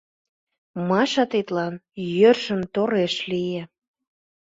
Маша тидлан йӧршын тореш лие.